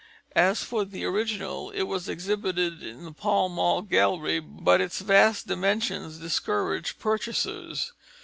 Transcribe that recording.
As for the original, it was exhibited in the Pall Mall gallery, but its vast dimensions discouraged purchasers.